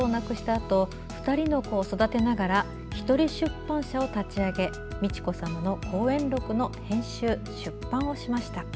あと２人の子を育てながら１人、出版社を立ち上げ美智子さまの講演録の編集・出版をしました。